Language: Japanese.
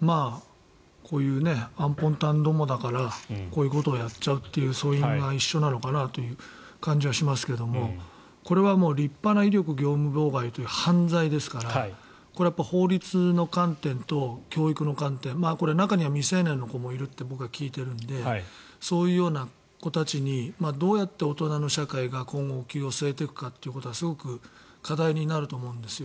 こういうあんぽんたんどもだからこういうことをやっちゃうというそういう印象なのかなと思いますがこれは立派な威力業務妨害という犯罪ですからこれは法律の観点と教育の観点これ、中には未成年の子もいると僕は聞いているのでそういう子たちにどうやって大人の社会が今後お灸を据えていくかということはすごく課題になると思うんですよ。